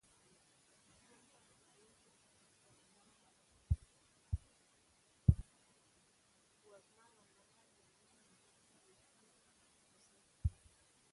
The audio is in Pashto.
وږمه ، ولوله ، وياړمنه ، وړانگه ، ورېښمينه ، هوسۍ